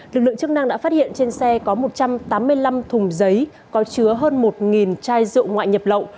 lực lượng chức năng đã phát hiện trên xe có một trăm tám mươi năm thùng giấy có chứa hơn một chai rượu ngoại nhập lậu